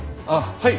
はい。